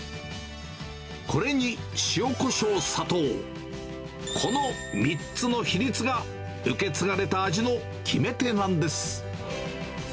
これに塩こしょう、砂糖、この３つの比率が受け継がれた味の決め手なんです。